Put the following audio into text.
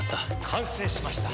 完成しました。